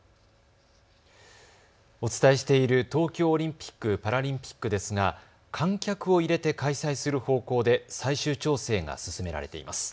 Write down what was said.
お伝えしている東京オリンピック・パラリンピックですが観客を入れて開催する方向で最終調整が進められています。